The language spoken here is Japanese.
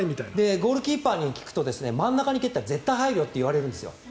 ゴールキーパーに聞くと真ん中に蹴ったら絶対入るよって言われるんですよ。